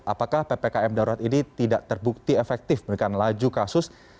apakah ppkm darurat ini tidak terbukti efektif menekan laju kasus